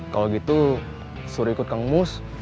kalau gitu suruh ikut kang mus